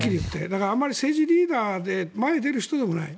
だから政治リーダーで前に出る人でもない。